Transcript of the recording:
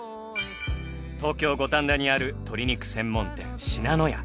東京五反田にある鶏肉専門店信濃屋。